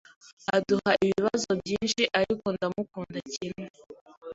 Aduha ibibazo byinshi, ariko ndamukunda kimwe.